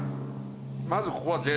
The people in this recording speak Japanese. まずここは０。